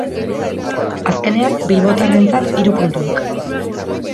Azkenean, bilbotarrentzat hiru puntuak.